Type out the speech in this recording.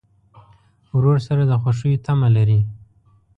ورور سره د خوښیو تمه لرې.